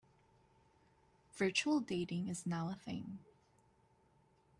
Virtual dating is now a thing.